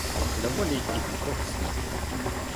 Доволі і кількох слів.